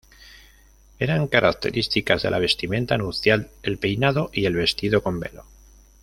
Eran características de la vestimenta nupcial el peinado y el vestido con velo.